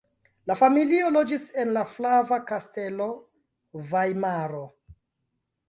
La familio loĝis en la Flava Kastelo (Vajmaro).